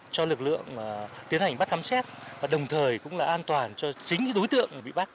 cho lực lượng tiến hành bắt khám xét và đồng thời cũng là an toàn cho chính đối tượng bị bắt